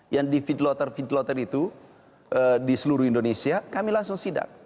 yang di feedloter feedloter itu di seluruh indonesia kami langsung sidak